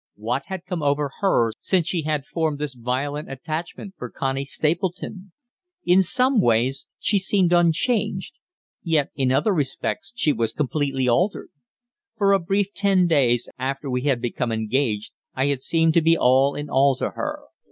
What had come over her since she had formed this violent attachment for Connie Stapleton? In some ways she seemed unchanged, yet in other respects she was completely altered. For a brief ten days after we had become engaged I had seemed to be all in all to her.